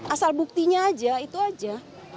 asal buktinya aja itu aja